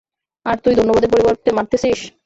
আর তুই ধন্যবাদের পরিবর্তে মারতেছিস?